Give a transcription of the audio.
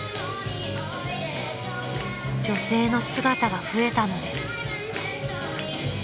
［女性の姿が増えたのです］